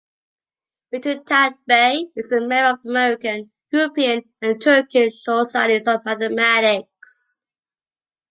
Betül Tanbay is a member of American, European and Turkish societies of mathematics.